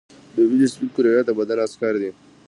د وینې سپین کرویات د بدن عسکر دي